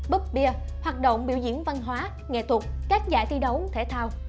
bức bia hoạt động biểu diễn văn hóa nghệ thuật các giải thi đấu thể thao